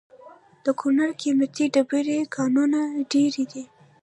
د کونړ د قیمتي ډبرو کانونه ډیر دي؟